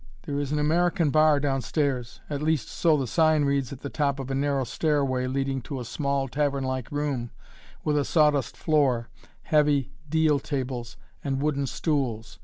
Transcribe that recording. There is an "American Bar" downstairs; at least, so the sign reads at the top of a narrow stairway leading to a small, tavern like room, with a sawdust floor, heavy deal tables, and wooden stools.